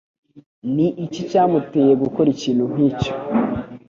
Ni iki cyamuteye gukora ikintu nk'icyo?